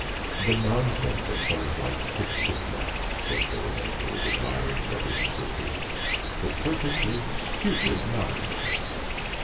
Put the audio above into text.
"The nonsense of fellows like Tip Chipmunk!" said Featherhead to his admiring brothers and sisters—"the perfectly stupid nonsense!